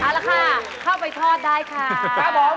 เอาละค่ะเข้าไปทอดได้ค่ะครับผม